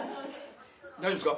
大丈夫ですか？